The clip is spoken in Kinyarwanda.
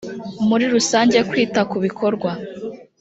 muri rusange kwita ku bikorwa